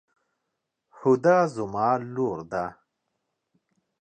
هُدا زما لور ده.